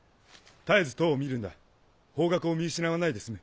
絶えず塔を見るんだ方角を見失わないで済む。